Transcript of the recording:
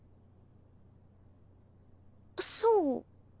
そう。